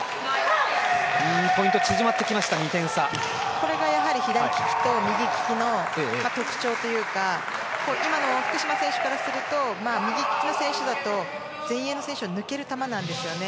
これが、左利きと右利きの特徴というか今のは福島選手からすると右利きの選手だと、前衛の選手は抜ける球なんですね。